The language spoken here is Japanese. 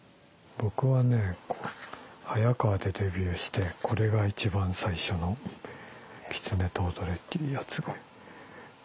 僕はねハヤカワでデビューしてこれが一番最初の「狐と踊れ」っていうやつが。